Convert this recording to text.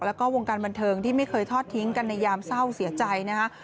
แล้วก็วงการบันเทิงที่ไม่เคยทอดทิ้งกันในยามเศร้าเสียใจนะคะ